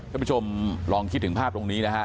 ท่านผู้ชมลองคิดถึงภาพตรงนี้นะฮะ